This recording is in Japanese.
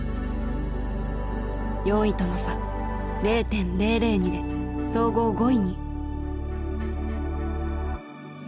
４位との差０．００２で総合５位に。